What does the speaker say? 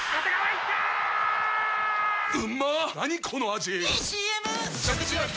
⁉いいＣＭ！！